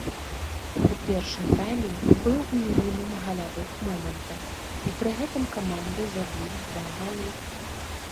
У першым тайме быў мінімум галявых момантаў і пры гэтым каманды забілі два галы.